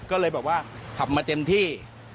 ก็เลยบอกว่าขับมาเต็มที่